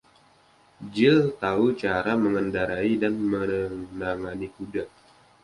Jill tahu cara mengendarai dan menangani kuda.